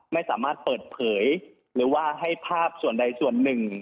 ไม่สามารถเปิดเผยหรือว่าให้ภาพส่วนใดส่วนหนึ่ง